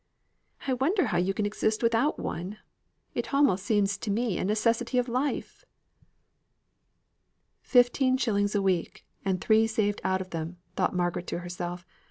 "I wonder how you can exist without one. It almost seems to me a necessary of life." "Fifteen shillings a week, and three saved out of them!" thought Margaret to herself.